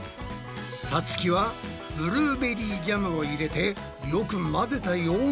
さつきはブルーベリージャムを入れてよく混ぜたヨーグルトを。